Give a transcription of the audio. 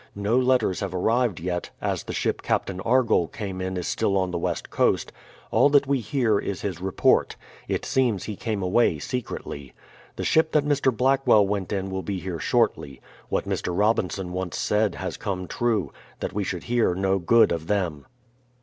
No letters have arrived yet, as the ship Captain Argoll came in is still on the west coast; all that we hear is his re port; it seems he came away secretly. The ship that Mr. Black well went in will be here shortly. What Mr. Robinson once said has come true: that we should hear no good of them.